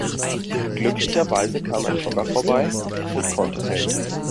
Glücklicherweise kam ein Jogger vorbei und konnte helfen.